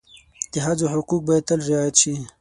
د ښځو حقوق باید تل رعایت شي.